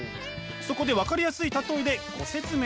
そこで分かりやすい例えでご説明。